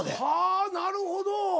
はあなるほど。